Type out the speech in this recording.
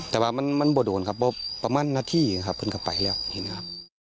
แต่ว่ามันมันบ่ดโดนครับเพราะประมาณนาทีครับขึ้นกลับไปแล้วเห็นครับ